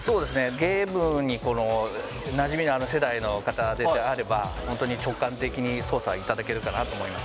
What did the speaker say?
ゲームになじみのある世代の方であれば本当に直感的に操作いただけるかなと思います。